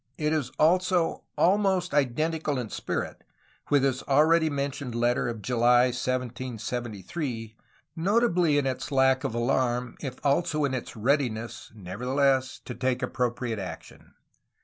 It is also almost identical in spirit with his already mentioned letter of July 1773,^ notably in its lack of alarm, if also in its readiness, nevertheless, to take appropriate action.